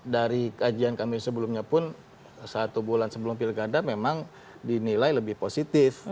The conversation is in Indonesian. dari kajian kami sebelumnya pun satu bulan sebelum pilkada memang dinilai lebih positif